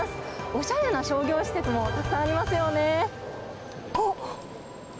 おしゃれな商業施設もたくさんありますよね。